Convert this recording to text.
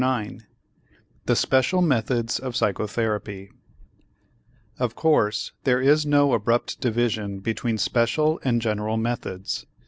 IX THE SPECIAL METHODS OF PSYCHOTHERAPY Of course there is no abrupt division between special and general methods.